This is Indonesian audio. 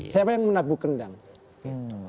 siapa yang menabuh gendang